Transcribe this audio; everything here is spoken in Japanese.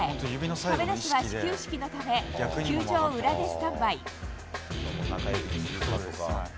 亀梨は始球式のため球場裏でスタンバイ。